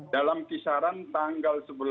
dalam kisaran tanggal sebelas